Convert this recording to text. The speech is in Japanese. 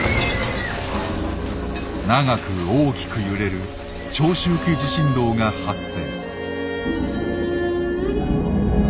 長く大きく揺れる長周期地震動が発生。